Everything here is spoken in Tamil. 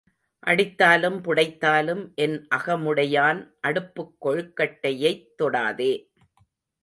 அடித்தாலும் புடைத்தாலும் என் அகமுடையான் அடுப்புக் கொழுக்கட்டையைத் தொடாதே.